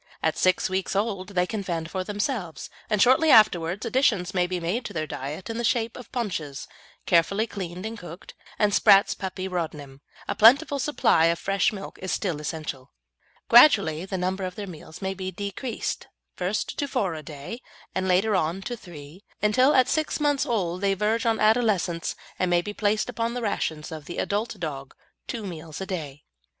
At six weeks old they can fend for themselves, and shortly afterwards additions may be made to their diet in the shape of paunches, carefully cleaned and cooked, and Spratt's Puppy Rodnim. A plentiful supply of fresh milk is still essential. Gradually the number of their meals may be decreased, first to four a day, and later on to three, until at six months old they verge on adolescence; and may be placed upon the rations of the adult dog, two meals a day.